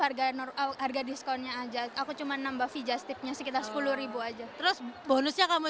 harga harga diskonnya aja aku cuma nambah vijas tipnya sekitar sepuluh aja terus bonusnya kamu